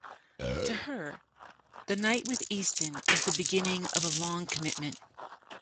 To her, the night with Easton is the beginning of a long commitment.